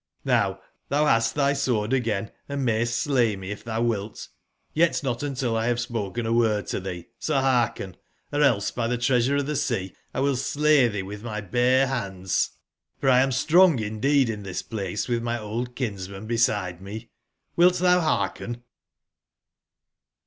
]Vow thou hast thy sword again and mayst slay me if thou wilt. Y^t not until X have spoken a word to thee : so hearken t or else by the XTreasure of the Sea Iwill slay thee with my bare I H5 bands, for lam strong indeed in this place with my old hinstnan beside me. Cdilt tbou bearhen